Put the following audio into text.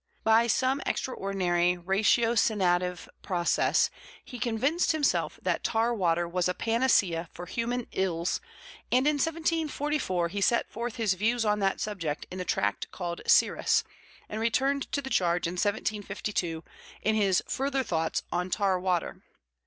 By some extraordinary ratiocinative process he convinced himself that tar water was a panacea for human ills, and in 1744 he set forth his views on that subject in the tract called Siris, and returned to the charge in 1752 in his Further Thoughts on Tar Water.